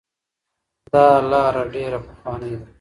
دا لاره ډیره پخوانۍ ده.